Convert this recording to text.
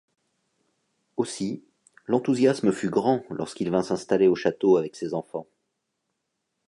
Aussi, l'enthousiasme fut grand lorsqu'il vint s'installer au château avec ses enfants.